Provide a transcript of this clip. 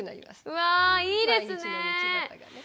うわいいですね。